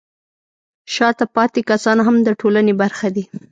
شاته پاتې کسان هم د ټولنې برخه دي.